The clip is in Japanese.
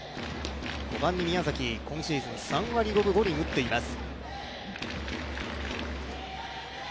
５番に宮崎、今シーズンに３割５分５厘打ってます